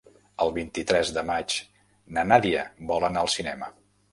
El vint-i-tres de maig na Nàdia vol anar al cinema.